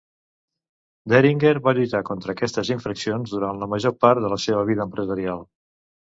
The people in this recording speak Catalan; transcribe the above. Deringer va lluitar contra aquestes infraccions durant la major part de la seva vida empresarial.